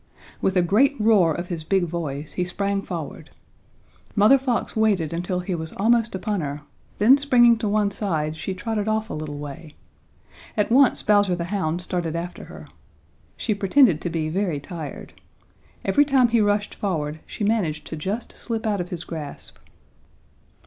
With a great roar of his big voice, he sprang forward. Mother Fox waited until he was almost upon her, then springing to one side, she trotted off a little way. At once Bowser the Hound started after her. She pretended to be very tired. Every time he rushed forward she managed to just slip out of his grasp.